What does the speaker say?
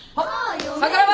桜庭！